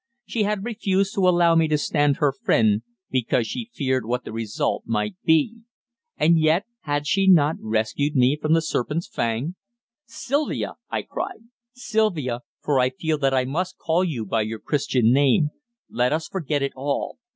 She had refused to allow me to stand her friend because she feared what the result might be. And yet, had she not rescued me from the serpent's fang? "Sylvia," I cried, "Sylvia for I feel that I must call you by your Christian name let us forget it all.